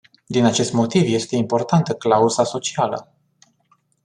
Din acest motiv este importantă clauza socială.